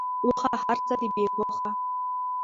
اوښه ! هرڅه دی بی هوښه .